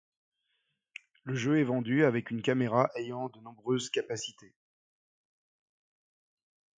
Le jeu est vendu avec une caméra ayant de nombreuses capacités.